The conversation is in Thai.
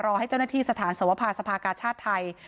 ให้เจ้าหน้าที่สถานสวภาสภากาชาติไทย